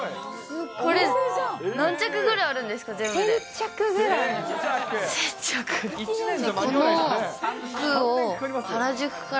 これ、何着ぐらいあるんですか？